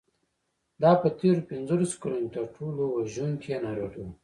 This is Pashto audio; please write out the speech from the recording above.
دا په تېرو پنځلسو کلونو کې تر ټولو وژونکې ناروغي وه.